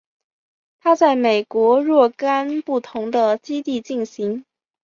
它在美国若干不同的基地进行。